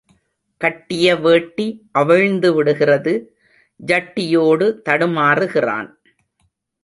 கட்டிய வேட்டி அவிழ்ந்துவிடுகிறது ஜட்டியோடு தடுமாறுகிறான்.